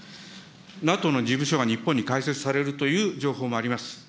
ＮＡＴＯの事務所が日本に開設されるという情報もあります。